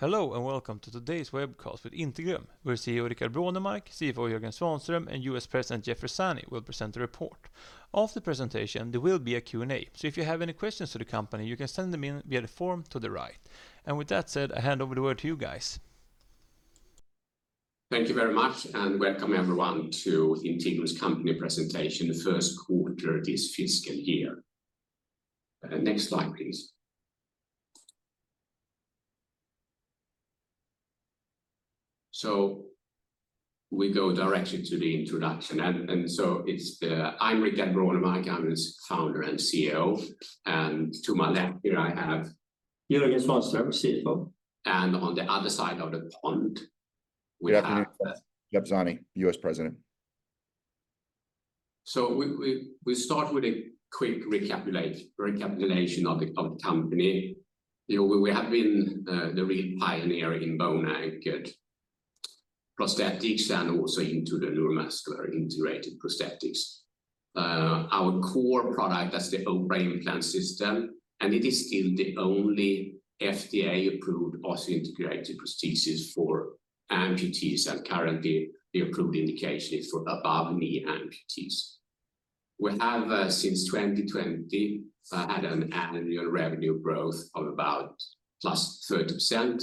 Hello, and welcome to today's webcast with Integrum, where CEO Rickard Brånemark, CFO Jörgen Svanström, and U.S. President Jeff Zanni will present the report. After the presentation, there will be a Q&A. So if you have any questions to the company, you can send them in via the form to the right. And with that said, I hand over the word to you guys. Thank you very much, and welcome everyone to Integrum's company presentation, the first quarter this fiscal year. Next slide, please. So we go directly to the introduction, and so it's, I'm Rickard Brånemark. I'm its founder and CEO, and to my left here I have- Jörgen Svanström, CFO. And on the other side of the pond, we have- Good afternoon. Jeff Zanni, U.S. President. We start with a quick recapitulation of the company. You know, we have been the real pioneer in bone anchored prosthetics and also into the neuromuscular integrated prosthetics. Our core product, that's the OPRA Implant System, and it is still the only FDA-approved osseointegrated prosthesis for amputees, and currently the approved indication is for above-knee amputees. We have since 2020 had an annual revenue growth of about +30%.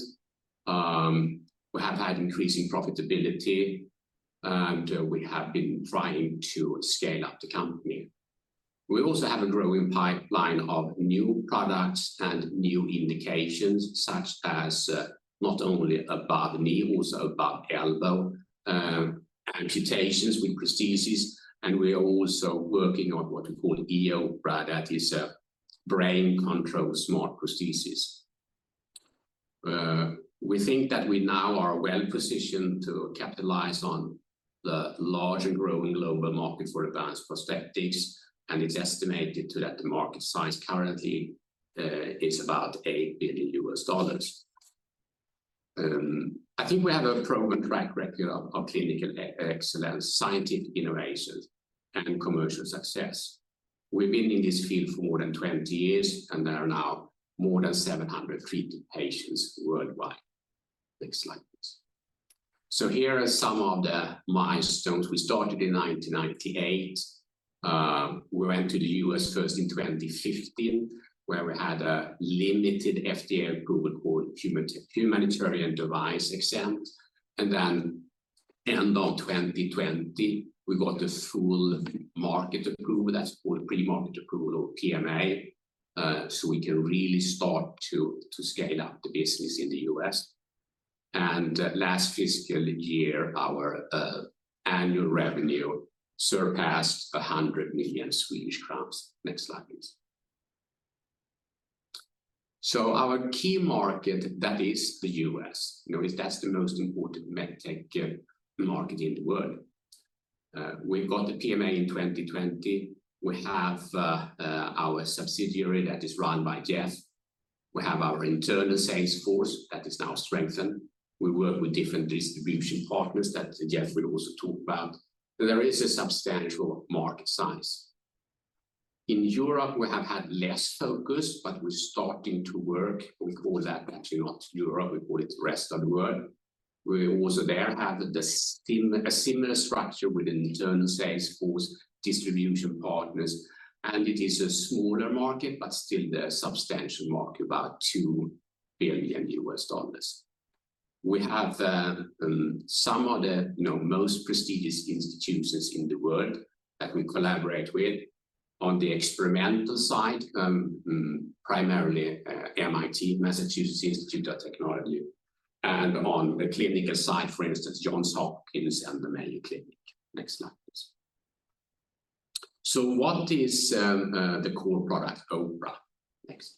We have had increasing profitability, and we have been trying to scale up the company. We also have a growing pipeline of new products and new indications, such as not only above-knee, also above-elbow amputations with prosthesis, and we are also working on what we call e-OPRA. That is a brain-controlled smart prosthesis. We think that we now are well-positioned to capitalize on the large and growing global market for advanced prosthetics, and it's estimated that the market size currently is about $8 billion. I think we have a proven track record of clinical excellence, scientific innovations, and commercial success. We've been in this field for more than 20 years, and there are now more than 700 treated patients worldwide. Next slide, please. Here are some of the milestones. We started in nineteen ninety-eight. We went to the U.S. first in 2015, where we had a limited FDA approval called Humanitarian Device Exemption. And then end of 2020, we got the full market approval. That's called Premarket Approval, or PMA, so we can really start to scale up the business in the U.S. And last fiscal year, our annual revenue surpassed 100 million Swedish crowns. Next slide, please. So our key market, that is the U.S. You know, that's the most important med tech market in the world. We got the PMA in 2020. We have our subsidiary that is run by Jeff. We have our internal sales force that is now strengthened. We work with different distribution partners that Jeff will also talk about. There is a substantial market size. In Europe, we have had less focus, but we're starting to work. We call that actually not Europe, we call it the rest of the world. We also there have a similar structure with an internal sales force, distribution partners, and it is a smaller market, but still a substantial market, about $2 billion. We have some of the, you know, most prestigious institutions in the world that we collaborate with. On the experimental side, primarily, MIT, Massachusetts Institute of Technology, and on the clinical side, for instance, Johns Hopkins and the Mayo Clinic. Next slide, please. So what is the core product, OPRA? Next.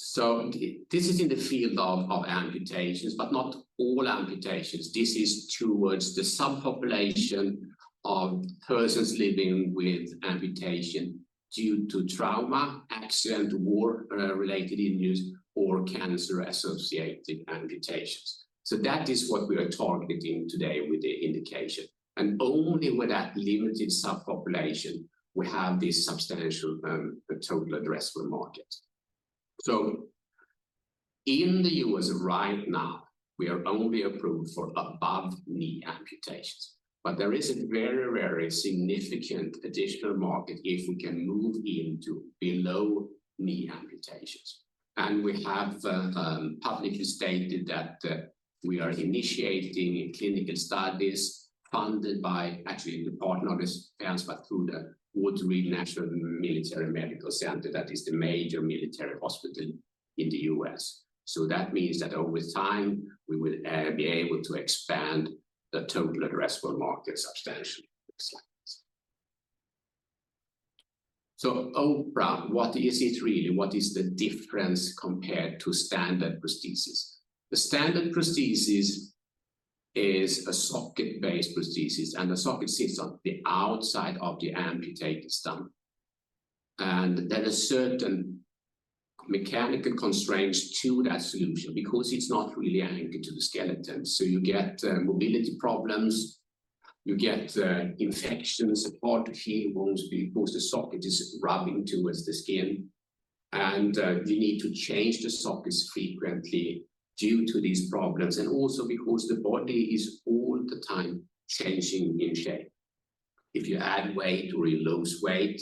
So this is in the field of amputations, but not all amputations. This is towards the subpopulation of persons living with amputation due to trauma, accident, war, related injuries, or cancer-associated amputations. So that is what we are targeting today with the indication. And only with that limited subpopulation, we have this substantial total addressable market. So in the U.S. right now, we are only approved for above-knee amputations, but there is a very, very significant additional market if we can move into below-knee amputations. We have publicly stated that we are initiating clinical studies funded by, actually the partner of ours, but through the Walter Reed National Military Medical Center, that is the major military hospital in the U.S. That means that over time, we will be able to expand the total addressable market substantially. Next slide. OPRA, what is it really? What is the difference compared to standard prosthesis? The standard prosthesis is a socket-based prosthesis, and the socket sits on the outside of the amputated stump. There are certain mechanical constraints to that solution because it's not really anchored to the skeleton, so you get mobility problems. You get infections or pressure wounds because the socket is rubbing towards the skin, and you need to change the sockets frequently due to these problems, and also because the body is all the time changing in shape. If you add weight or you lose weight,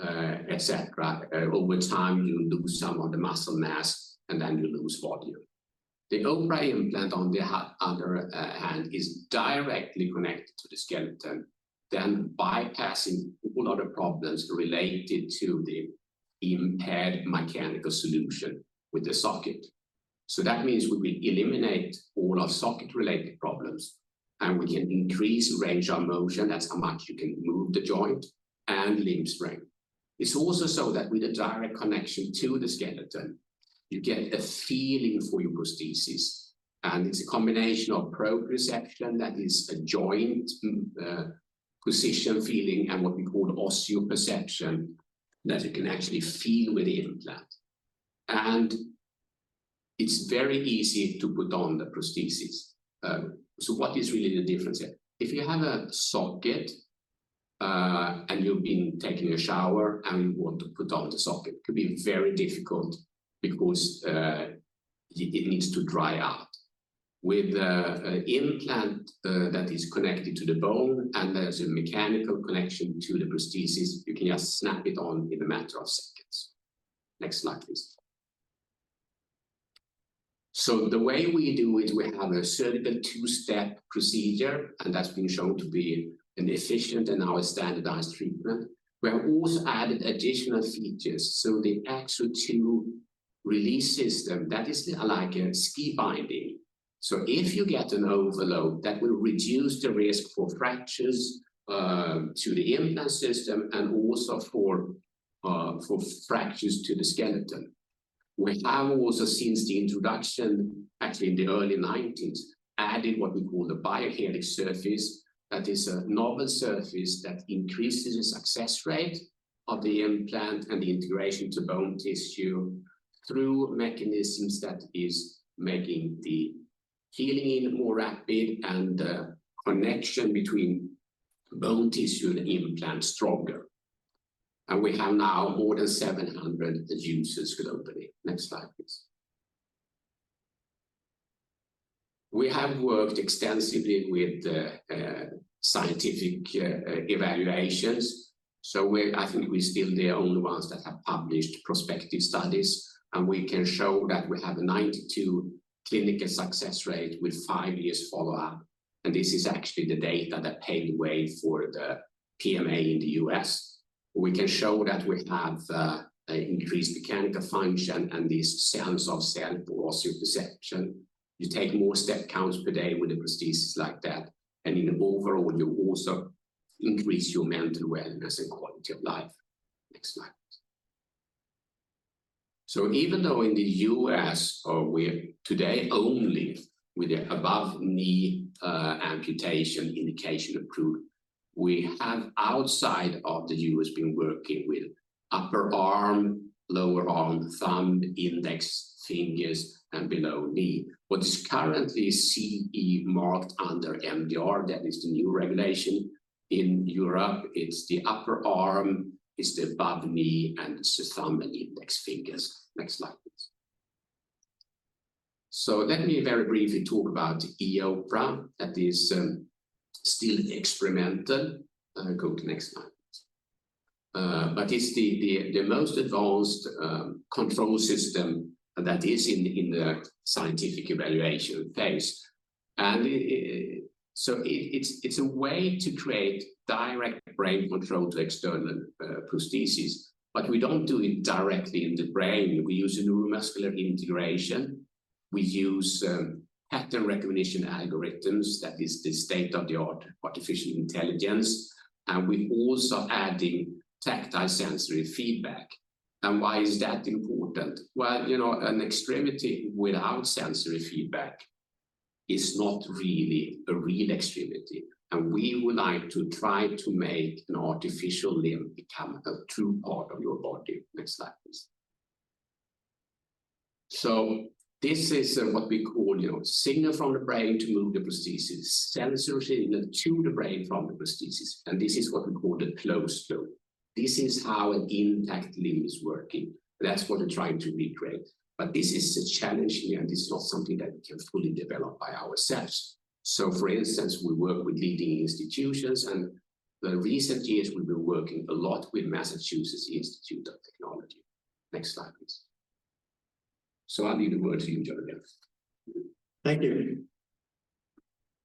et cetera, over time you lose some of the muscle mass, and then you lose volume. The OPRA implant, on the other hand, is directly connected to the skeleton, then bypassing all other problems related to the impaired mechanical solution with the socket. So that means we eliminate all our socket-related problems, and we can increase range of motion, that's how much you can move the joint, and limb strength. It's also so that with a direct connection to the skeleton, you get a feeling for your prosthesis, and it's a combination of proprioception, that is a joint position feeling, and what we call osteoception, that you can actually feel with the implant, and it's very easy to put on the prosthesis, so what is really the difference here? If you have a socket, and you've been taking a shower, and you want to put on the socket, it could be very difficult because it needs to dry out. With an implant that is connected to the bone and there's a mechanical connection to the prosthesis, you can just snap it on in a matter of seconds. Next slide, please. So the way we do it, we have a surgical two-step procedure, and that's been shown to be an efficient and now a standardized treatment. We have also added additional features. So the Axor II release system, that is like a ski binding. So if you get an overload, that will reduce the risk for fractures to the implant system, and also for fractures to the skeleton. We have also, since the introduction, actually in the early nineties, added what we call the BioHelix surface. That is a novel surface that increases the success rate of the implant and the integration to bone tissue through mechanisms that is making the healing more rapid and the connection between bone tissue and implant stronger. And we have now more than 700 users globally. Next slide, please. We have worked extensively with scientific evaluations. So we're-- I think we're still the only ones that have published prospective studies, and we can show that we have a 92% clinical success rate with five years follow-up. And this is actually the data that paved the way for the PMA in the U.S. We can show that we have an increased mechanical function and the sense of self or osteoception. You take more step counts per day with a prosthesis like that, and in overall, you also increase your mental wellness and quality of life. Next slide. So even though in the U.S., or we're today only with the above-knee amputation indication approved, we have, outside of the U.S., been working with upper arm, lower arm, thumb, index fingers, and below-knee. What is currently CE marked under MDR, that is the new regulation in Europe. It's the upper arm, it's the above knee, and it's the thumb and index fingers. Next slide, please. So let me very briefly talk about e-OPRA. That is still experimental. Go to the next slide. But it's the most advanced control system that is in the scientific evaluation phase. And it. So it is a way to create direct brain control to external prosthesis, but we don't do it directly in the brain. We use a neuromuscular integration. We use pattern recognition algorithms, that is the state-of-the-art artificial intelligence, and we're also adding tactile sensory feedback. And why is that important? Well, you know, an extremity without sensory feedback is not really a real extremity, and we would like to try to make an artificial limb become a true part of your body. Next slide, please. So this is what we call, you know, signal from the brain to move the prosthesis. Sensory signal to the brain from the prosthesis, and this is what we call the closed loop. This is how an intact limb is working. That's what we're trying to recreate. But this is challenging, and it's not something that we can fully develop by ourselves. So for instance, we work with leading institutions, and the recent years, we've been working a lot with Massachusetts Institute of Technology. Next slide, please. So I'll leave the word to you, Jörgen. Thank you.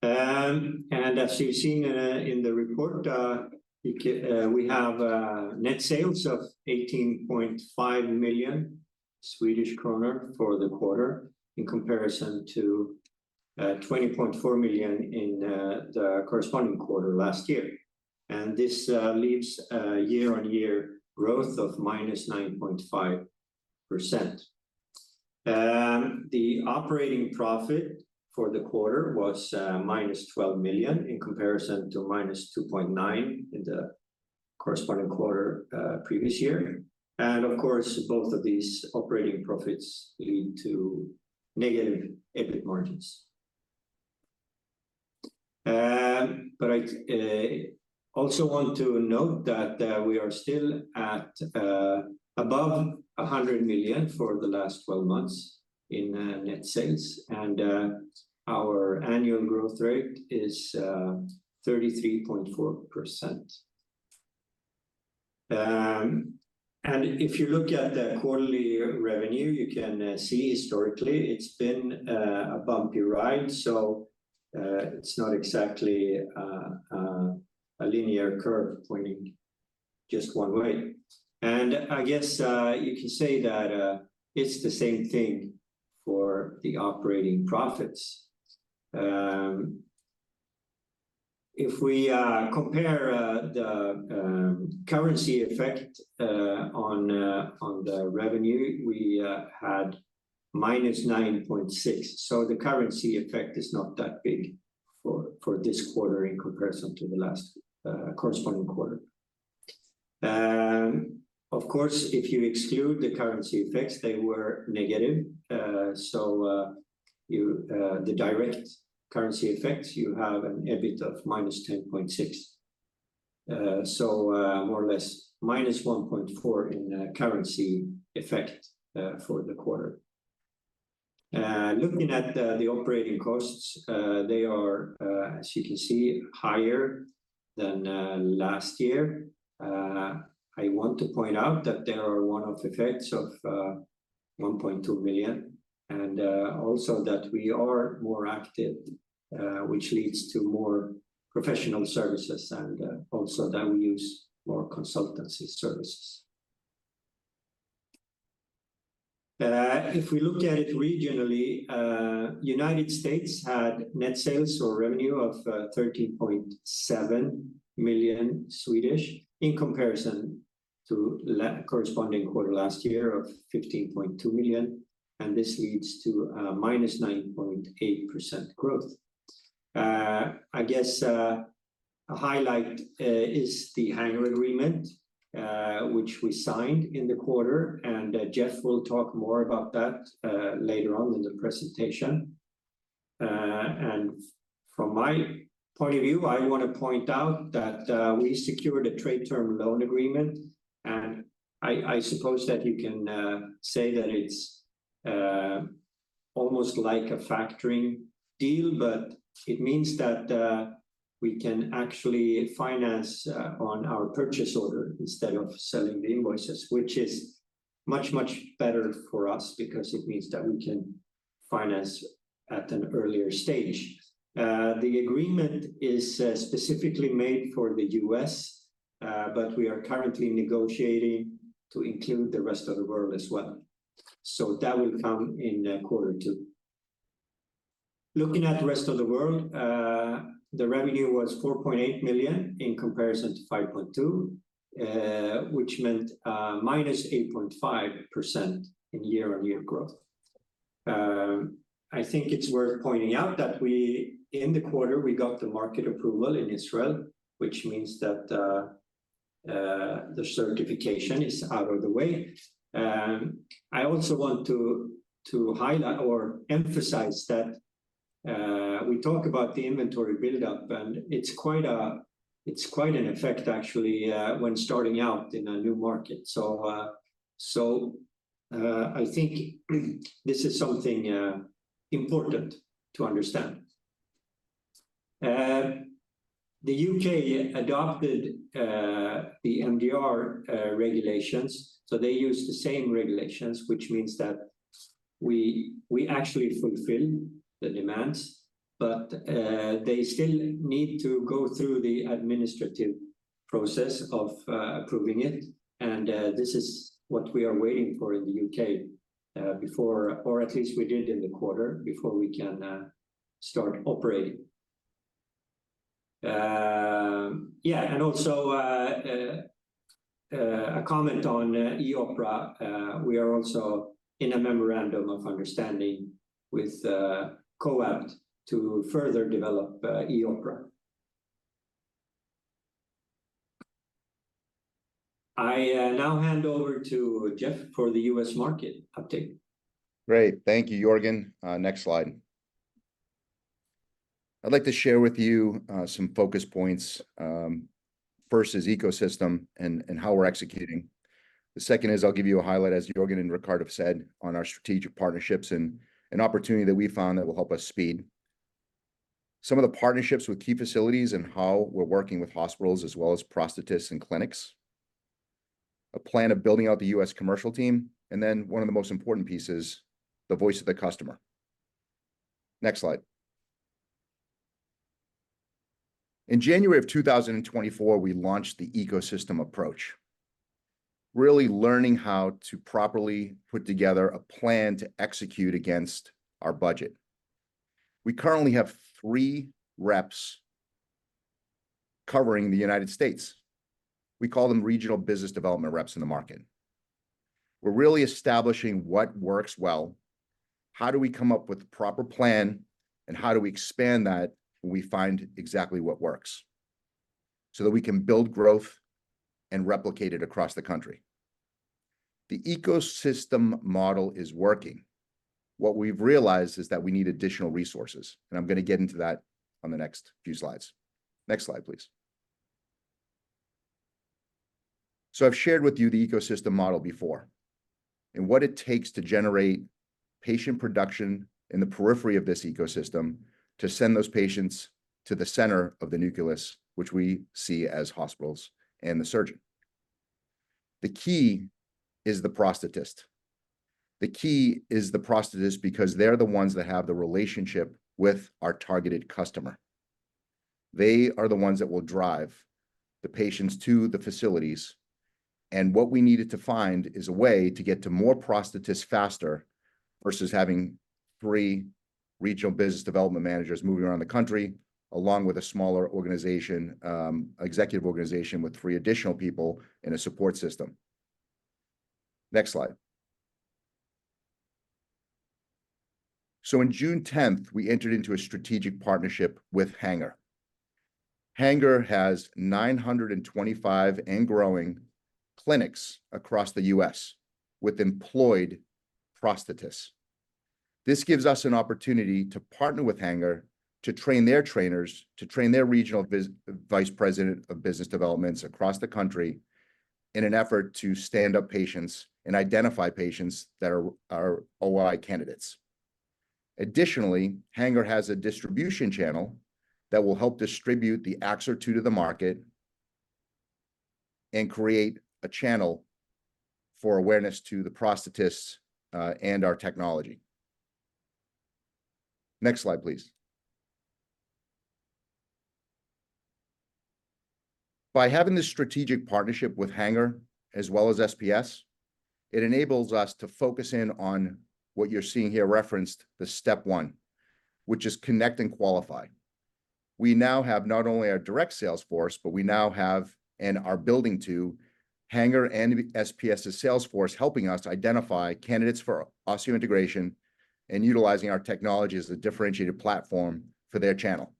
And as you've seen in the report, we have net sales of 18.5 million Swedish krona for the quarter, in comparison to 20.4 million in the corresponding quarter last year. And this leaves a year-on-year growth of -9.5%. The operating profit for the quarter was -12 million, in comparison to -2.9 million in the corresponding quarter previous year. And of course, both of these operating profits lead to negative EBIT margins. But I also want to note that we are still at above 100 million for the last 12 months in net sales, and our annual growth rate is 33.4%. If you look at the quarterly revenue, you can see historically it's been a bumpy ride, so it's not exactly a linear curve pointing just one way. I guess you can say that it's the same thing for the operating profits. If we compare the currency effect on the revenue, we had minus 9.6. The currency effect is not that big for this quarter in comparison to the last corresponding quarter. Of course, if you exclude the currency effects, they were negative. The direct currency effect, you have an EBITDA of minus 10.6. More or less minus 1.4 in currency effect for the quarter. Looking at the operating costs, they are, as you can see, higher than last year. I want to point out that there are one-off effects of 1.2 million, and also that we are more active, which leads to more professional services and also that we use more consultancy services. If we look at it regionally, United States had net sales or revenue of 13.7 million, in comparison to corresponding quarter last year of 15.2 million, and this leads to minus 9.8% growth. I guess a highlight is the Hanger agreement, which we signed in the quarter, and Jeff will talk more about that later on in the presentation. And from my point of view, I want to point out that we secured a trade term loan agreement, and I suppose that you can say that it's almost like a factoring deal. But it means that we can actually finance on our purchase order instead of selling the invoices, which is much, much better for us because it means that we can finance at an earlier stage. The agreement is specifically made for the U.S., but we are currently negotiating to include the rest of the world as well. So that will come in quarter two. Looking at the rest of the world, the revenue was 4.8 million in comparison to 5.2 million, which meant minus 8.5% in year-on-year growth. I think it's worth pointing out that we, in the quarter, we got the market approval in Israel, which means that the certification is out of the way. I also want to highlight or emphasize that we talk about the inventory build-up, and it's quite an effect, actually, when starting out in a new market, so I think this is something important to understand. The U.K. adopted the MDR regulations, so they use the same regulations, which means that we actually fulfill the demands, but they still need to go through the administrative process of approving it and this is what we are waiting for in the U.K. before, or at least we did in the quarter, before we can start operating. Yeah, and also a comment on e-OPRA. We are also in a memorandum of understanding with Coapt to further develop e-OPRA. I now hand over to Jeff for the U.S. market update. Great. Thank you, Jörgen. Next slide. I'd like to share with you some focus points. First is ecosystem and how we're executing. The second is, I'll give you a highlight, as Jörgen and Rickard have said, on our strategic partnerships, and an opportunity that we found that will help us speed. Some of the partnerships with key facilities and how we're working with hospitals, as well as prosthetists and clinics. A plan of building out the U.S. commercial team, and then one of the most important pieces, the voice of the customer. Next slide. In January of 2024, we launched the ecosystem approach, really learning how to properly put together a plan to execute against our budget. We currently have three reps covering the United States. We call them regional business development reps in the market.... We're really establishing what works well, how do we come up with a proper plan, and how do we expand that when we find exactly what works, so that we can build growth and replicate it across the country? The ecosystem model is working. What we've realized is that we need additional resources, and I'm gonna get into that on the next few slides. Next slide, please. So I've shared with you the ecosystem model before, and what it takes to generate patient production in the periphery of this ecosystem to send those patients to the center of the nucleus, which we see as hospitals and the surgeon. The key is the prosthetist. The key is the prosthetist, because they're the ones that have the relationship with our targeted customer. They are the ones that will drive the patients to the facilities, and what we needed to find is a way to get to more prosthetists faster, versus having three regional business development managers moving around the country, along with a smaller organization, executive organization with three additional people in a support system. Next slide. So on June 10th, we entered into a strategic partnership with Hanger. Hanger has 925, and growing, clinics across the U.S., with employed prosthetists. This gives us an opportunity to partner with Hanger, to train their trainers, to train their regional business vice presidents of business development across the country, in an effort to stand up patients and identify patients that are OI candidates. Additionally, Hanger has a distribution channel that will help distribute the Axor II to the market, and create a channel for awareness to the prosthetists and our technology. Next slide, please. By having this strategic partnership with Hanger, as well as SPS, it enables us to focus in on what you're seeing here referenced, the step one, which is connect and qualify. We now have not only our direct sales force, but we now have, and are building to, Hanger and SPS's sales force, helping us identify candidates for osseointegration, and utilizing our technology as a differentiated platform for their channel.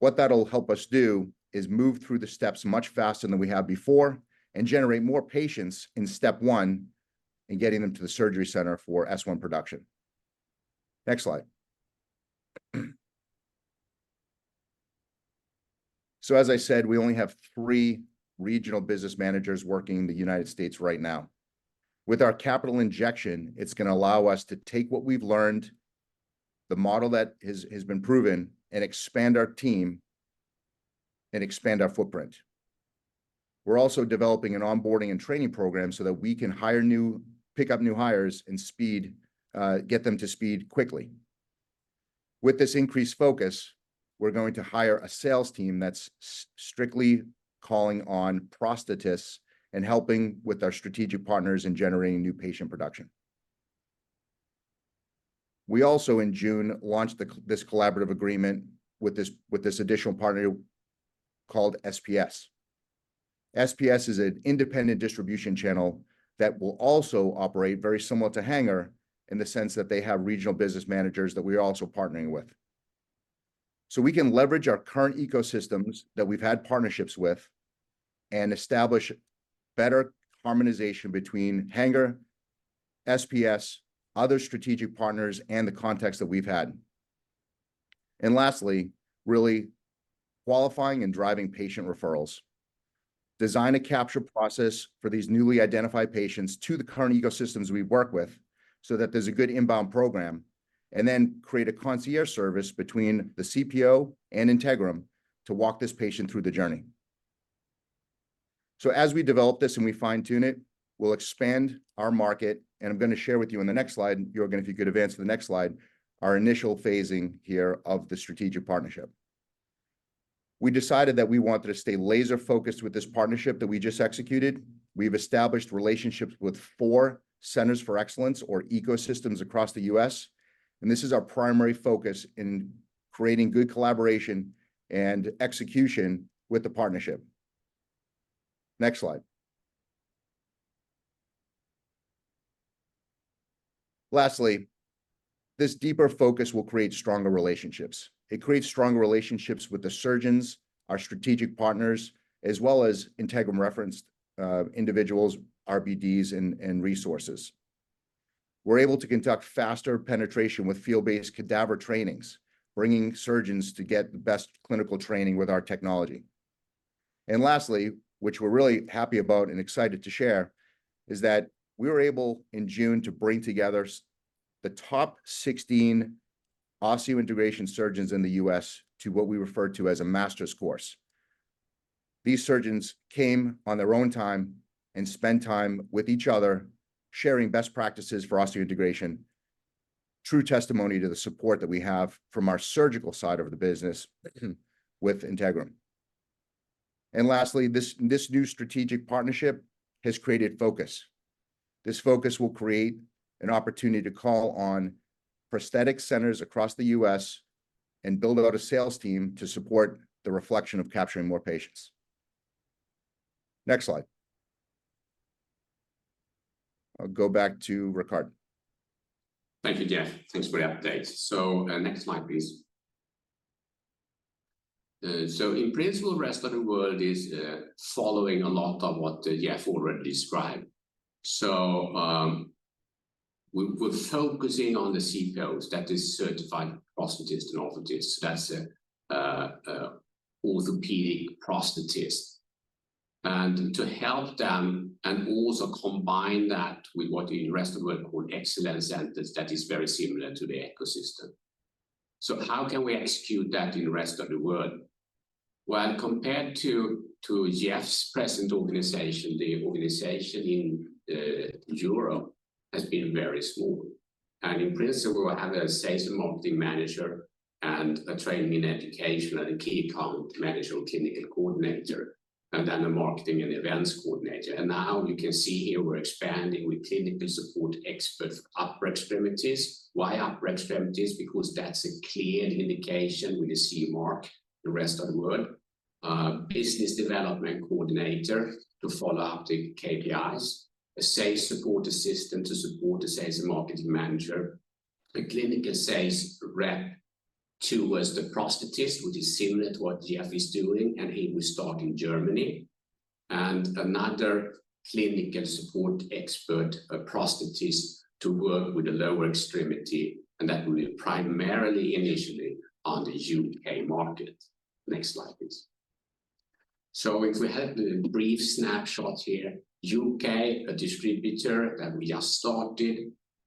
What that'll help us do is move through the steps much faster than we have before, and generate more patients in step one, in getting them to the surgery center for S1 production. Next slide. So, as I said, we only have three regional business managers working in the United States right now. With our capital injection, it's gonna allow us to take what we've learned, the model that has been proven, and expand our team and expand our footprint. We're also developing an onboarding and training program, so that we can pick up new hires and get them up to speed quickly. With this increased focus, we're going to hire a sales team that's strictly calling on prosthetists, and helping with our strategic partners in generating new patient production. We also, in June, launched this collaborative agreement with this additional partner called SPS. SPS is an independent distribution channel that will also operate very similar to Hanger, in the sense that they have regional business managers that we're also partnering with. So we can leverage our current ecosystems that we've had partnerships with, and establish better harmonization between Hanger, SPS, other strategic partners, and the contacts that we've had. And lastly, really qualifying and driving patient referrals. Design a capture process for these newly identified patients to the current ecosystems we work with, so that there's a good inbound program, and then create a concierge service between the CPO and Integrum to walk this patient through the journey. So as we develop this and we fine-tune it, we'll expand our market, and I'm gonna share with you in the next slide, Jörgen, if you could advance to the next slide, our initial phasing here of the strategic partnership. We decided that we wanted to stay laser-focused with this partnership that we just executed. We've established relationships with four centers for excellence or ecosystems across the U.S., and this is our primary focus in creating good collaboration and execution with the partnership. Next slide. Lastly, this deeper focus will create stronger relationships. It creates stronger relationships with the surgeons, our strategic partners, as well as Integrum-referenced individuals, RBDs, and resources. We're able to conduct faster penetration with field-based cadaver trainings, bringing surgeons to get the best clinical training with our technology. And lastly, which we're really happy about and excited to share, is that we were able, in June, to bring together the top 16 osseointegration surgeons in the U.S. to what we refer to as a master's course. These surgeons came on their own time and spent time with each other, sharing best practices for osseointegration, true testimony to the support that we have from our surgical side of the business, with Integrum. And lastly, this new strategic partnership has created focus. This focus will create an opportunity to call on prosthetic centers across the U.S. and build out a sales team to support the efforts of capturing more patients. Next slide. I'll go back to Rickard. Thank you, Jeff. Thanks for the update. Next slide, please. In principle, rest of the world is following a lot of what Jeff already described. We're focusing on the CPOs, that is certified prosthetist and orthotist, that's a orthopedic prosthetist. To help them and also combine that with what in rest of the world called excellence centers, that is very similar to the ecosystem. How can we execute that in the rest of the world? Compared to Jeff's present organization, the organization in Europe has been very small. In principle, we have a sales and marketing manager, and a training and education, and a key account manager or clinical coordinator, and then a marketing and events coordinator. Now you can see here we're expanding with clinical support experts, upper extremities. Why upper extremities? Because that's a clear indication when you see market the rest of the world. Business development coordinator to follow up the KPIs, a sales support assistant to support the sales and marketing manager. A clinical sales rep towards the prosthetist, which is similar to what Jeff is doing, and he will start in Germany. And another clinical support expert, a prosthetist, to work with the lower extremity, and that will be primarily initially on the U.K. market. Next slide, please. So if we have a brief snapshot here, U.K., a distributor, and we just started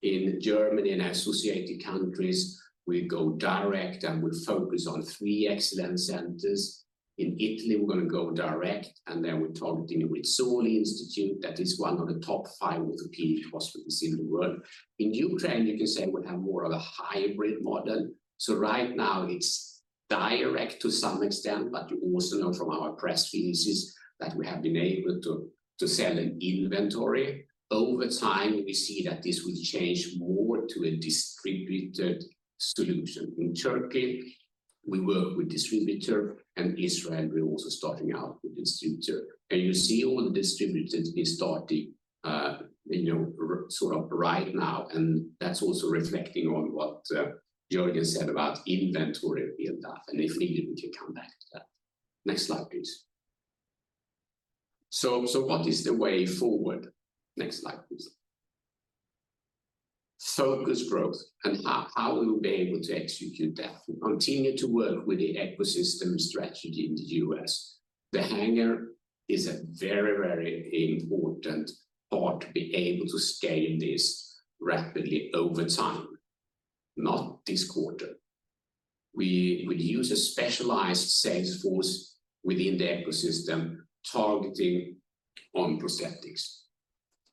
in Germany and associated countries. We go direct, and we focus on three excellent centers. In Italy, we're gonna go direct, and then we're targeting with Rizzoli Institute, that is one of the top five orthopedic hospitals in the world. In Ukraine, you can say we have more of a hybrid model. So right now it's direct to some extent, but you also know from our press releases that we have been able to sell an inventory. Over time, we see that this will change more to a distributed solution. In Turkey, we work with distributor, and Israel, we're also starting out with distributor. And you see all the distributors is starting, you know, right now, and that's also reflecting on what Jörgen said about inventory and stuff, and if needed, we can come back to that. Next slide, please. So what is the way forward? Next slide, please. Focused growth, and how we'll be able to execute that? We continue to work with the ecosystem strategy in the U.S. Hanger is a very, very important part to be able to scale this rapidly over time, not this quarter. We will use a specialized sales force within the ecosystem, targeting on prosthetics.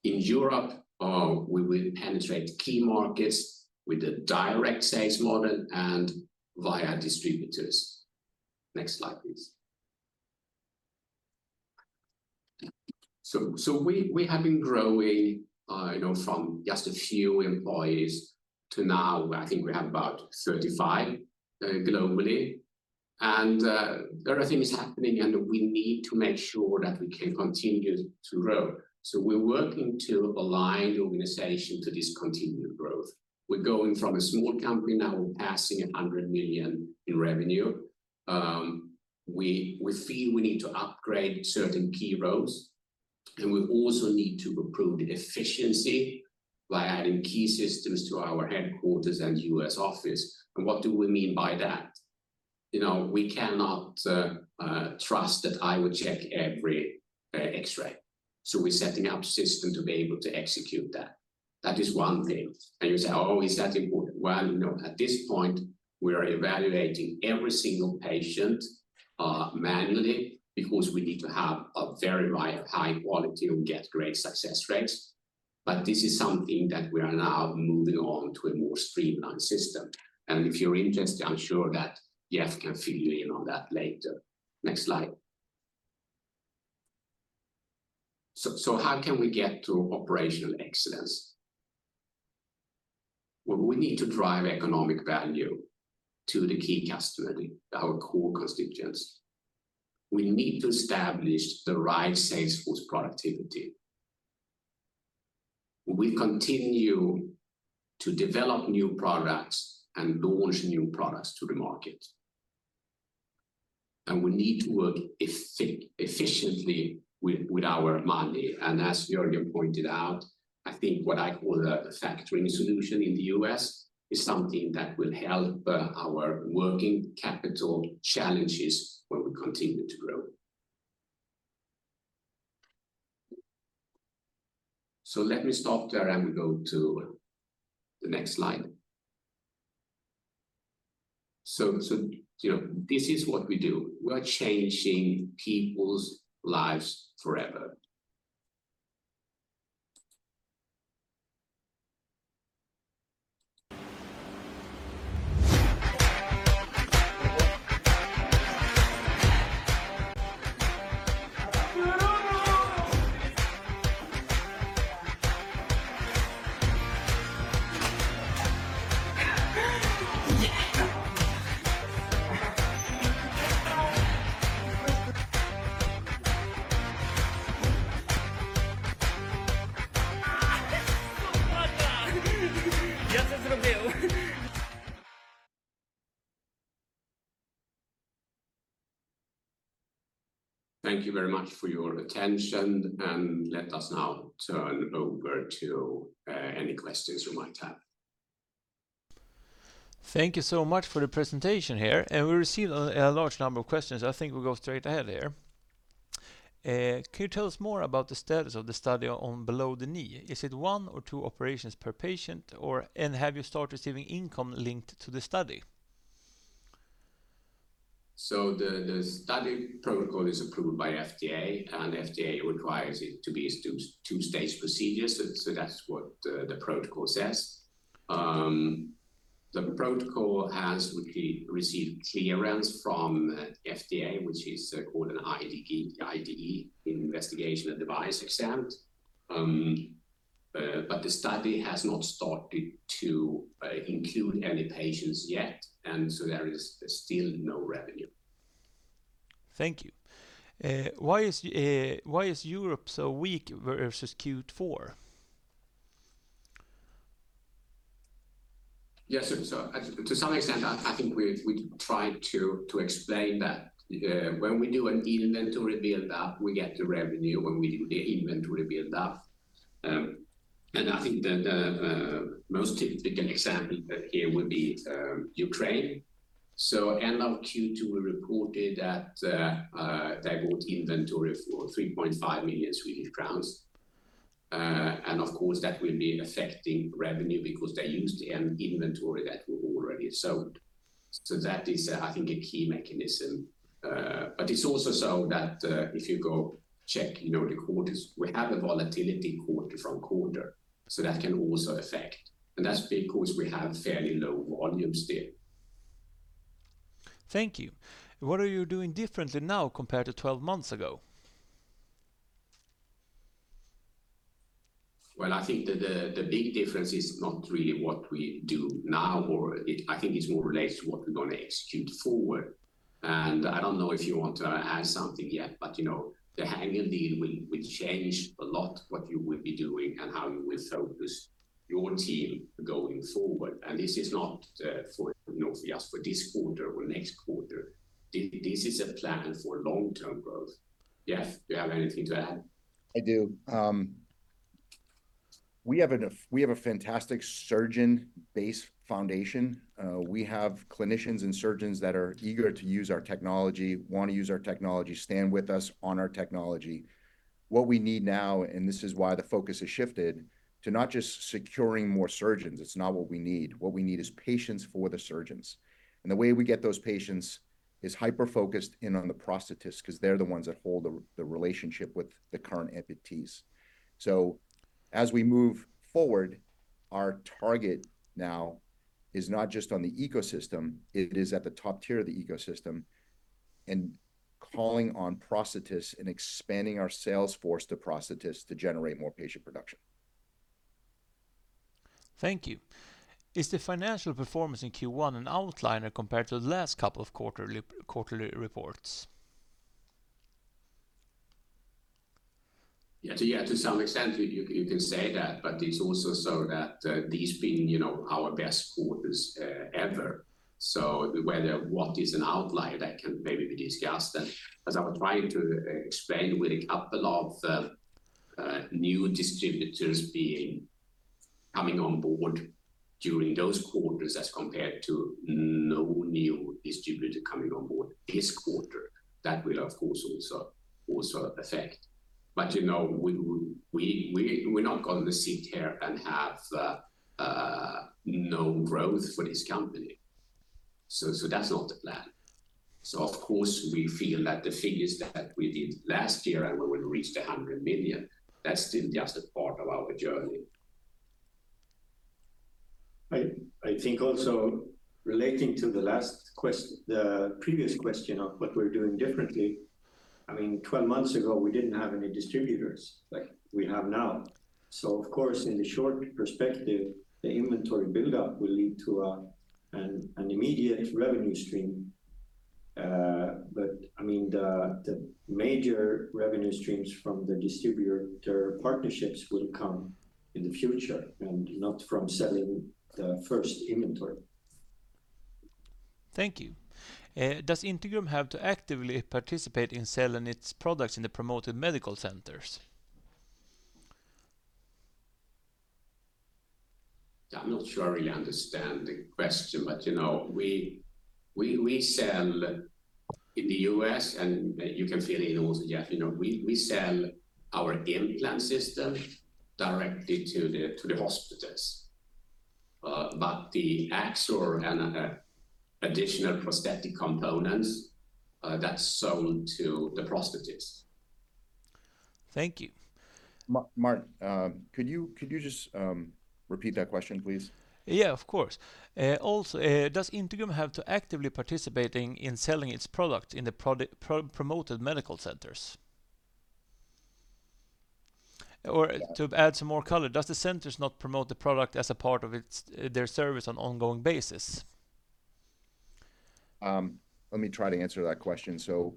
In Europe, we will penetrate key markets with a direct sales model and via distributors. Next slide, please. So we have been growing, you know, from just a few employees to now, I think we have about 35 globally. And everything is happening, and we need to make sure that we can continue to grow. So we're working to align the organization to this continued growth. We're going from a small company now passing 100 million in revenue. We feel we need to upgrade certain key roles, and we also need to improve the efficiency by adding key systems to our headquarters and U.S. office. And what do we mean by that? You know, we cannot trust that I would check every X-ray. So we're setting up system to be able to execute that. That is one thing. And you say, "Oh, is that important?" Well, you know, at this point, we are evaluating every single patient manually, because we need to have a very high quality and get great success rates. But this is something that we are now moving on to a more streamlined system. And if you're interested, I'm sure that Jeff can fill you in on that later. Next slide. So how can we get to operational excellence? Well, we need to drive economic value to the key customer, our core constituents. We need to establish the right sales force productivity. We continue to develop new products and launch new products to the market. And we need to work efficiently with our money. And as Jörgen pointed out, I think what I call a factoring solution in the U.S., is something that will help our working capital challenges when we continue to grow. So let me stop there and go to the next slide. So, you know, this is what we do. We are changing people's lives forever. ... Yeah! Just as I do. Thank you very much for your attention, and let us now turn over to any questions you might have. Thank you so much for the presentation here, and we received a large number of questions. I think we'll go straight ahead here. Can you tell us more about the status of the study on below the knee? Is it one or two operations per patient, or... And have you started receiving income linked to the study? So the study protocol is approved by FDA, and FDA requires it to be a two-stage procedure, so that's what the protocol says. The protocol has received clearance from FDA, which is called an IDE, Investigational Device Exemption. But the study has not started to include any patients yet, and so there is still no revenue. Thank you. Why is Europe so weak versus Q4? Yes, so to some extent, I think we've tried to explain that when we do an inventory build up, we get the revenue when we do the inventory build up and I think that the most typical example here would be Ukraine, so end of Q2, we reported that they bought inventory for 3.5 million Swedish crowns and of course, that will be affecting revenue because they used an inventory that we already sold, so that is, I think, a key mechanism, but it's also so that if you go check, you know, the quarters, we have a volatility quarter from quarter, so that can also affect and that's because we have fairly low volumes there. Thank you. What are you doing differently now compared to twelve months ago? I think that the big difference is not really what we do now. I think it's more related to what we're going to execute forward. And I don't know if you want to add something yet, but you know, the Hanger deal will change a lot what you will be doing and how you will focus your team going forward. And this is not, you know, just for this quarter or next quarter. This is a plan for long-term growth. Jeff, do you have anything to add? I do. We have a fantastic surgeon-based foundation. We have clinicians and surgeons that are eager to use our technology, want to use our technology, stand with us on our technology. What we need now, and this is why the focus has shifted, to not just securing more surgeons, it's not what we need. What we need is patients for the surgeons, and the way we get those patients is hyper-focused in on the prosthetist, 'cause they're the ones that hold the relationship with the current amputees, so as we move forward, our target now is not just on the ecosystem, it is at the top tier of the ecosystem, and calling on prosthetists and expanding our sales force to prosthetists to generate more patient production. Thank you. Is the financial performance in Q1 an outlier compared to the last couple of quarterly reports? Yeah. So yeah, to some extent, you can say that, but it's also so that these have been, you know, our best quarters ever. So whether what is an outlier, that can maybe be discussed. And as I was trying to explain, with a couple of new distributors coming on board during those quarters, as compared to no new distributor coming on board this quarter, that will, of course, also affect. But, you know, we, we're not going to sit here and have no growth for this company. So that's not the plan. So of course, we feel that the figures that we did last year and when we reached 100 million, that's still just a part of our journey. I think also relating to the last – the previous question of what we're doing differently, I mean, twelve months ago, we didn't have any distributors like we have now. So of course, in the short perspective, the inventory buildup will lead to an immediate revenue stream. But I mean, the major revenue streams from the distributor partnerships will come in the future and not from selling the first inventory. Thank you. Does Integrum have to actively participate in selling its products in the promoted medical centers? I'm not sure I really understand the question, but you know, we sell in the U.S., and you can fill in also, Jeff, you know, we sell our implant system directly to the hospitals. But the Axor, and additional prosthetic components, that's sold to the prosthetist. Thank you. Mark, could you just repeat that question, please? Yeah, of course. Also, does Integrum have to actively participating in selling its product in the promoted medical centers? Or to add some more color, does the centers not promote the product as a part of its, their service on ongoing basis? Let me try to answer that question. So,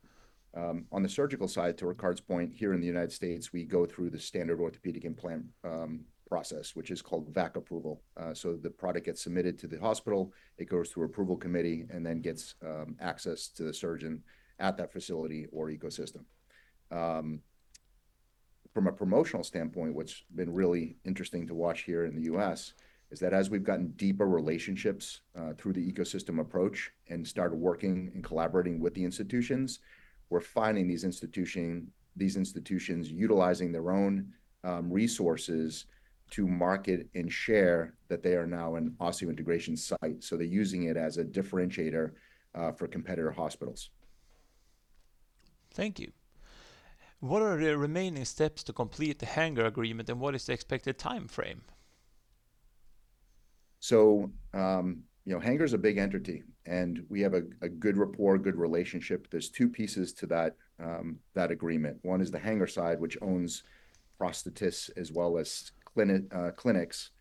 on the surgical side, to Rickard's point, here in the United States, we go through the standard orthopedic implant process, which is called VAC approval. So the product gets submitted to the hospital, it goes through approval committee, and then gets access to the surgeon at that facility or ecosystem. From a promotional standpoint, what's been really interesting to watch here in the U.S. is that as we've gotten deeper relationships through the ecosystem approach and started working and collaborating with the institutions, we're finding these institutions utilizing their own resources to market and share that they are now an osseointegration site. So they're using it as a differentiator for competitor hospitals. Thank you. What are the remaining steps to complete the Hanger agreement, and what is the expected timeframe? You know, Hanger is a big entity, and we have a good rapport, good relationship. There's two pieces to that, that agreement. One is the Hanger side, which owns prosthetists as well as clinic, clinics.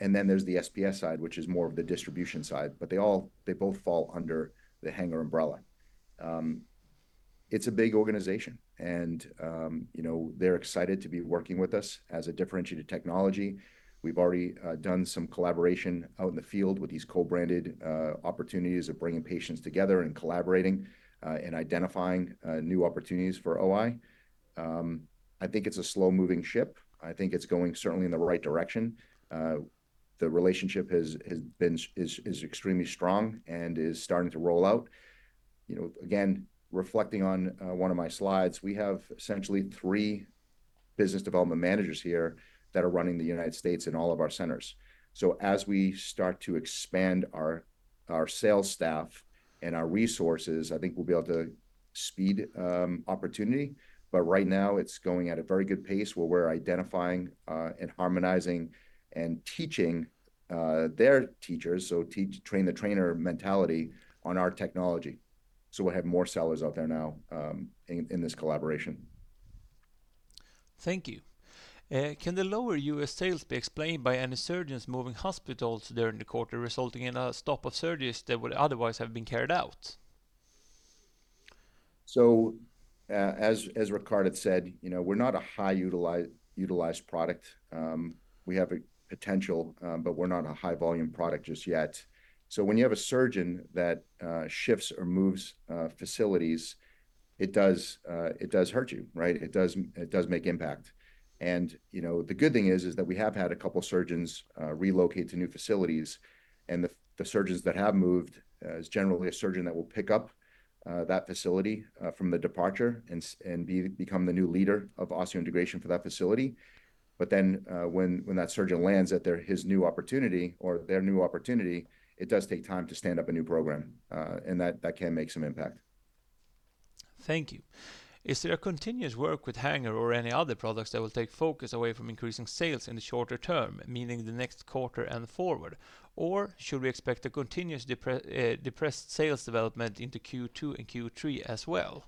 And then there's the SPS side, which is more of the distribution side, but they both fall under the Hanger umbrella. It's a big organization, and, you know, they're excited to be working with us as a differentiated technology. We've already done some collaboration out in the field with these co-branded opportunities of bringing patients together and collaborating, and identifying new opportunities for OI. I think it's a slow-moving ship. I think it's going certainly in the right direction. The relationship is extremely strong and is starting to roll out. You know, again, reflecting on one of my slides, we have essentially three business development managers here that are running the United States in all of our centers. So as we start to expand our sales staff and our resources, I think we'll be able to speed opportunity. But right now, it's going at a very good pace where we're identifying and harmonizing and teaching their teachers, so train-the-trainer mentality on our technology. So we'll have more sellers out there now in this collaboration. Thank you. Can the lower U.S. sales be explained by any surgeons moving hospitals during the quarter, resulting in a stop of surgeries that would otherwise have been carried out? As Rickard had said, you know, we're not a highly utilized product. We have a potential, but we're not a high volume product just yet. When you have a surgeon that shifts or moves facilities, it does hurt you, right? It does make impact. You know, the good thing is that we have had a couple surgeons relocate to new facilities, and the surgeons that have moved is generally a surgeon that will pick up that facility from the departure and become the new leader of osseointegration for that facility. But then, when that surgeon lands at their his new opportunity or their new opportunity, it does take time to stand up a new program, and that can make some impact. Thank you. Is there a continuous work with Hanger or any other products that will take focus away from increasing sales in the shorter term, meaning the next quarter and forward? Or should we expect a continuous depressed sales development into Q2 and Q3 as well?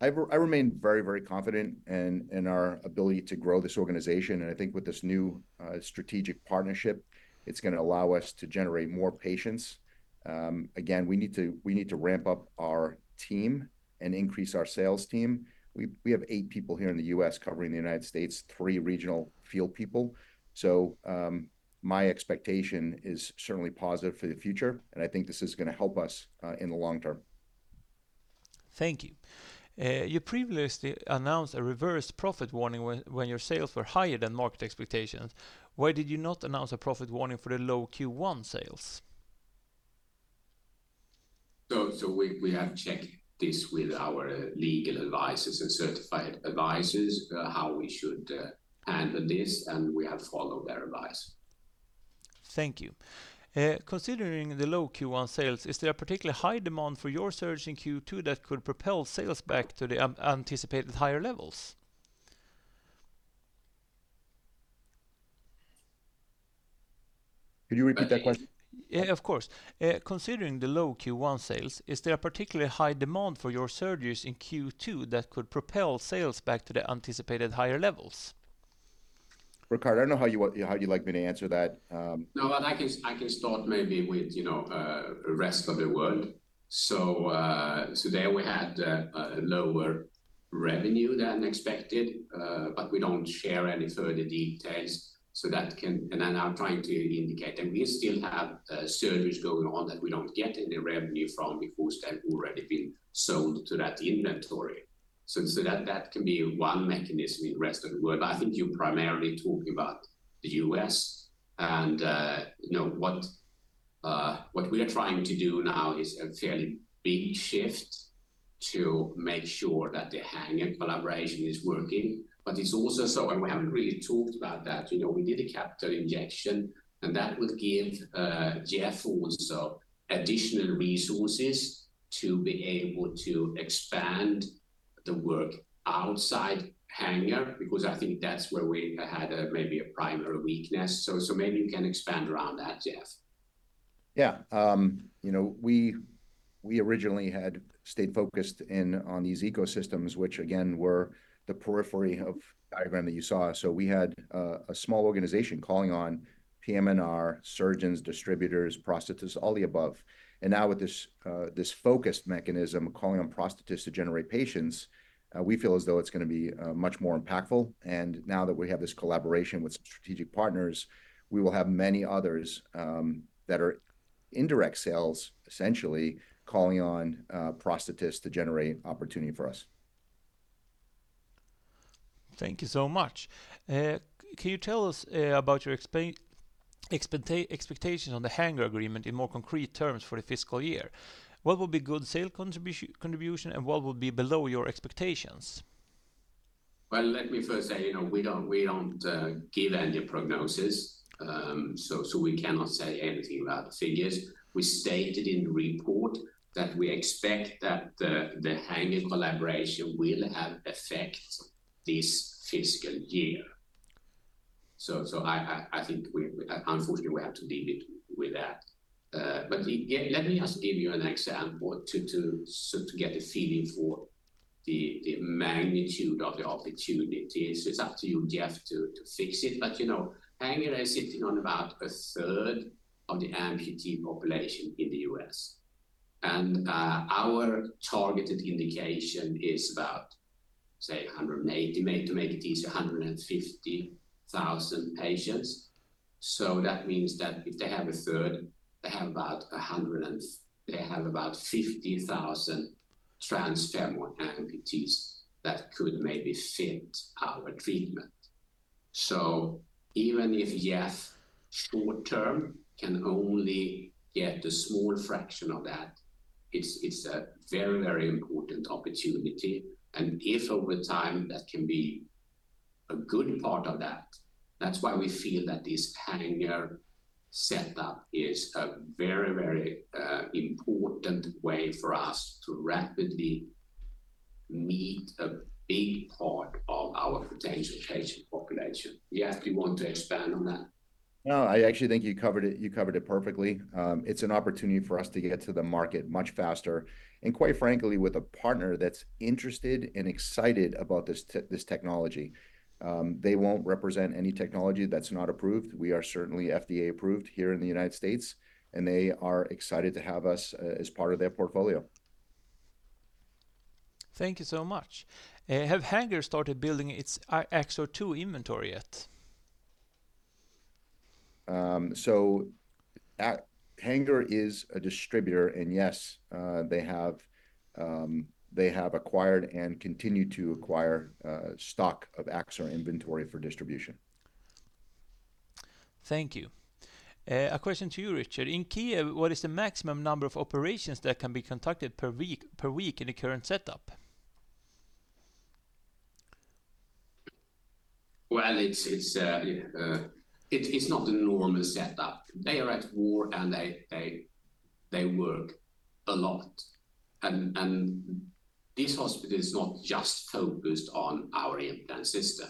I remain very, very confident in, in our ability to grow this organization, and I think with this new strategic partnership, it's gonna allow us to generate more patients. Again, we need to, we need to ramp up our team and increase our sales team. We have eight people here in the U.S. covering the United States, three regional field people. My expectation is certainly positive for the future, and I think this is gonna help us in the long term. Thank you. You previously announced a reversed profit warning when your sales were higher than market expectations. Why did you not announce a profit warning for the low Q1 sales? We have checked this with our legal advisors and certified advisors how we should handle this, and we have followed their advice. Thank you. Considering the low Q1 sales, is there a particularly high demand for your surgeries in Q2 that could propel sales back to the anticipated higher levels? Could you repeat that question? Yeah, of course. Considering the low Q1 sales, is there a particularly high demand for your surgeries in Q2 that could propel sales back to the anticipated higher levels? Rickard, I don't know how you want... how you'd like me to answer that. No, I can start maybe with, you know, rest of the world. So there we had a lower revenue than expected, but we don't share any further details. So that can, and I'm now trying to indicate, and we still have surgeries going on that we don't get any revenue from because they've already been sold to that inventory. So that can be one mechanism in rest of the world, but I think you're primarily talking about the US, and you know, what we are trying to do now is a fairly big shift to make sure that the Hanger collaboration is working, but it's also. So and we haven't really talked about that. You know, we did a capital injection, and that would give Jeff also additional resources to be able to expand-... the work outside Hanger, because I think that's where we had a, maybe a primary weakness. So, maybe you can expand around that, Jeff? Yeah, you know, we originally had stayed focused in on these ecosystems, which again, were the periphery of diagram that you saw. So we had a small organization calling on PM&R, surgeons, distributors, prosthetists, all the above. And now with this focused mechanism, calling on prosthetists to generate patients, we feel as though it's gonna be much more impactful. And now that we have this collaboration with strategic partners, we will have many others that are indirect sales, essentially calling on prosthetists to generate opportunity for us. Thank you so much. Can you tell us about your expectations on the Hanger agreement in more concrete terms for the fiscal year? What will be good sales contribution, and what will be below your expectations? Let me first say, you know, we don't give any prognosis, so we cannot say anything about the figures. We stated in the report that we expect that the Hanger collaboration will have effect this fiscal year, so I think, unfortunately, we have to leave it with that. Yeah, let me just give you an example to get a feeling for the magnitude of the opportunity, so it's up to you, Jeff, to fix it. You know, Hanger is sitting on about a third of the amputee population in the U.S., and our targeted indication is about, say, 180, to make it easy, 150,000 patients, so that means that if they have a third, they have about 100,000... They have about 50,000 transfemoral amputees that could maybe fit our treatment. So even if, Jeff, short term can only get a small fraction of that, it's a very, very important opportunity. And if, over time, that can be a good part of that, that's why we feel that this Hanger setup is a very, very important way for us to rapidly meet a big part of our potential patient population. Jeff, do you want to expand on that? No, I actually think you covered it, you covered it perfectly. It's an opportunity for us to get to the market much faster, and quite frankly, with a partner that's interested and excited about this technology. They won't represent any technology that's not approved. We are certainly FDA approved here in the United States, and they are excited to have us as part of their portfolio. Thank you so much. Have Hanger started building its Axor II inventory yet? So Hanger is a distributor, and yes, they have acquired and continue to acquire stock of Axor inventory for distribution. Thank you. A question to you, Rickard. In Kyiv, what is the maximum number of operations that can be conducted per week in the current setup? It's not a normal setup. They are at war, and they work a lot. And this hospital is not just focused on our implant system.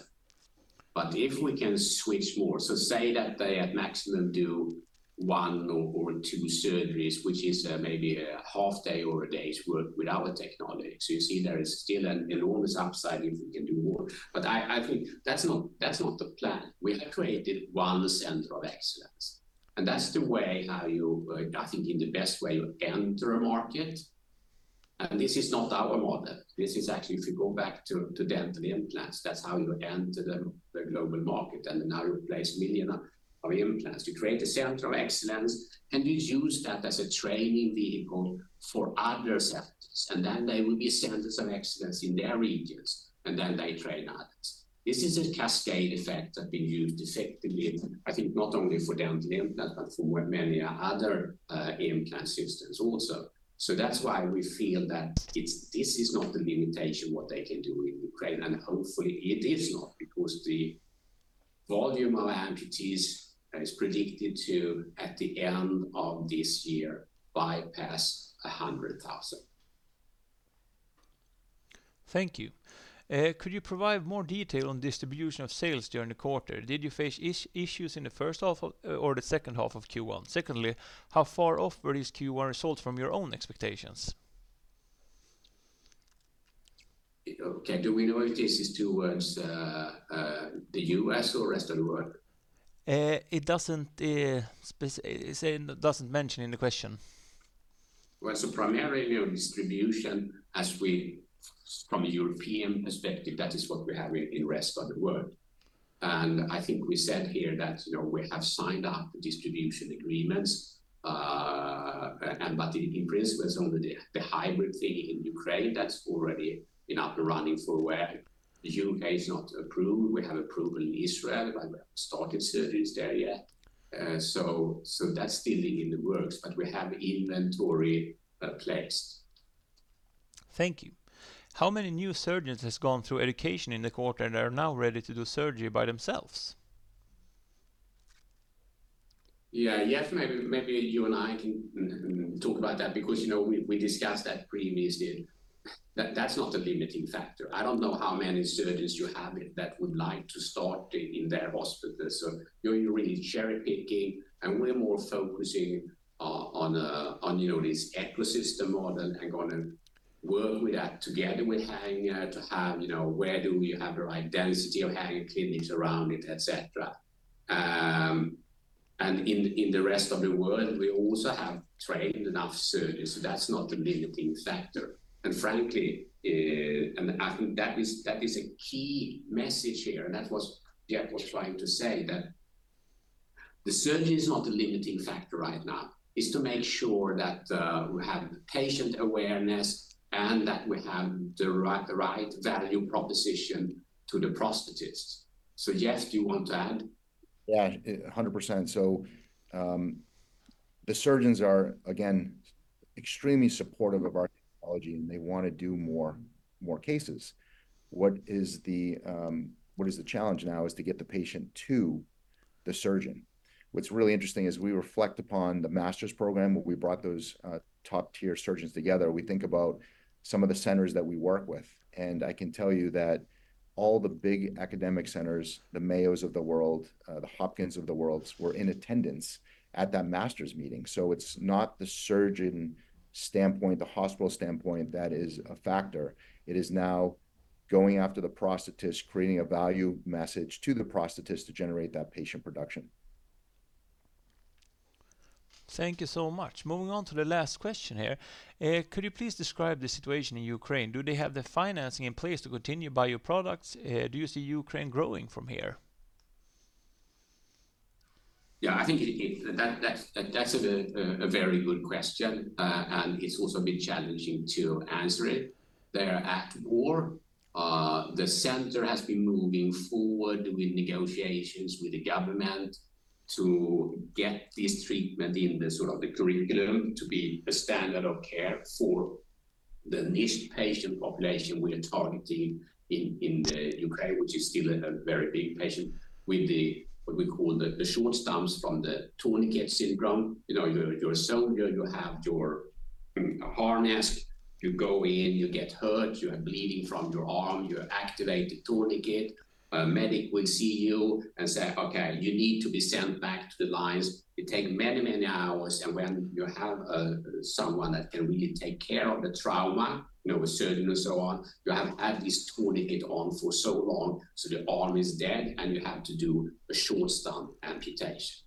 But if we can switch more, so say that they, at maximum, do one or two surgeries, which is maybe a half day or a day's work with our technology. So you see there is still an enormous upside if we can do more, but I think that's not the plan. We have created one center of excellence, and that's the way how you, I think, in the best way you enter a market, and this is not our model. This is actually, if you go back to dental implants, that's how you enter the global market, and then how you place million of implants. You create a center of excellence, and you use that as a training vehicle for other centers, and then they will be centers of excellence in their regions, and then they train others. This is a cascade effect that been used effectively, I think, not only for dental implant, but for many other implant systems also. So that's why we feel that it's this is not the limitation what they can do in Ukraine, and hopefully it is not, because the volume of amputees is predicted to, at the end of this year, bypass a hundred thousand. Thank you. Could you provide more detail on distribution of sales during the quarter? Did you face issues in the first half or the second half of Q1? Secondly, how far off were these Q1 results from your own expectations? Okay. Do we know if this is toward the U.S. or rest of the world? It says it doesn't mention in the question. Primarily, our distribution from a European perspective is what we have in the rest of the world. I think we said here that, you know, we have signed up distribution agreements, but in principle, it's only the hybrid thing in Ukraine that's already up and running, where the U.K. is not approved. We have approval in Israel, but we haven't started surgeries there yet. That's still in the works, but we have inventory in place. Thank you. How many new surgeons has gone through education in the quarter and are now ready to do surgery by themselves?... Yeah, Jeff, maybe you and I can talk about that because, you know, we discussed that previously. That's not a limiting factor. I don't know how many surgeons you have that would like to start in their hospital. So you're really cherry-picking, and we're more focusing on, you know, this ecosystem more than and gonna work with that together with Hanger to have, you know, where do we have the right density of Hanger clinics around it, et cetera. And in the rest of the world, we also have trained enough surgeons, so that's not the limiting factor. Frankly, I think that is a key message here, and that was Jeff trying to say, the surgeon is not the limiting factor right now. It's to make sure that we have patient awareness and that we have the right value proposition to the prosthetist. So Jeff, do you want to add? Yeah, 100%. So, the surgeons are, again, extremely supportive of our technology, and they want to do more cases. What is the challenge now is to get the patient to the surgeon. What's really interesting is we reflect upon the master's program, where we brought those top-tier surgeons together. We think about some of the centers that we work with, and I can tell you that all the big academic centers, the Mayos of the world, the Hopkins of the worlds, were in attendance at that master's meeting. So it's not the surgeon standpoint, the hospital standpoint that is a factor. It is now going after the prosthetist, creating a value message to the prosthetist to generate that patient production. Thank you so much. Moving on to the last question here. Could you please describe the situation in Ukraine? Do they have the financing in place to continue to buy your products? Do you see Ukraine growing from here? Yeah, I think that's a very good question, and it's also a bit challenging to answer it. They are at war. The center has been moving forward with negotiations with the government to get this treatment in the sort of the curriculum to be a standard of care for the niche patient population we are targeting in the Ukraine, which is still a very big patient with what we call the short stumps from the tourniquet syndrome. You know, you're a soldier, you have your harness. You go in, you get hurt, you have bleeding from your arm, you activate the tourniquet. A medic will see you and say, "Okay, you need to be sent back to the lines." It takes many, many hours, and when you have someone that can really take care of the trauma, you know, a surgeon and so on, you have had this tourniquet on for so long, so the arm is dead, and you have to do a short stump amputation.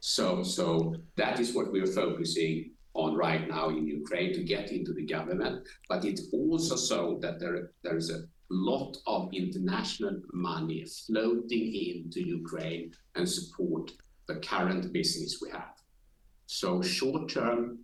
So that is what we are focusing on right now in Ukraine to get into the government. But it's also so that there is a lot of international money floating into Ukraine and support the current business we have. So short term,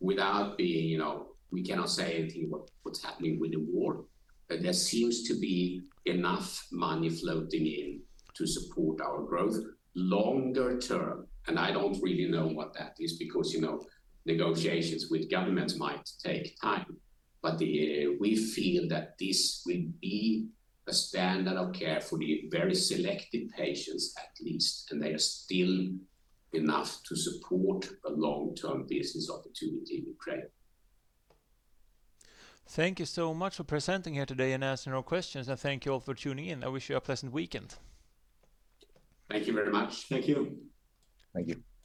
without being, you know, we cannot say anything what's happening with the war, but there seems to be enough money floating in to support our growth. Longer term, and I don't really know what that is, because, you know, negotiations with governments might take time, but the, we feel that this will be a standard of care for the very selected patients at least, and they are still enough to support a long-term business opportunity in Ukraine. Thank you so much for presenting here today and answering our questions, and thank you all for tuning in. I wish you a pleasant weekend. Thank you very much. Thank you. Thank you.